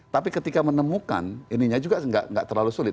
tapi ketika menemukan ininya juga nggak terlalu sulit